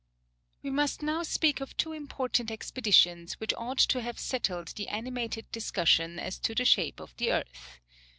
We must now speak of two important expeditions, which ought to have settled the animated discussion as to the shape of the earth.